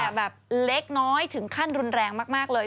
แบบเล็กน้อยถึงขั้นรุนแรงมากเลย